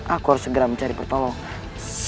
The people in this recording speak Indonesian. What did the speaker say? aku harus segera mencari pertolongan